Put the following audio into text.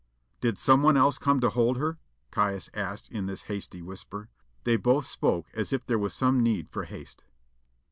"Did someone else come to hold her?" Caius asked this in a hasty whisper. They both spoke as if there was some need for haste.